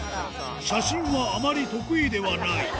写真はあまり得意ではない。